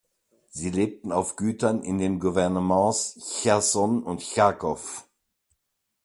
Sie lebten auf Gütern in den Gouvernements Cherson und Charkow.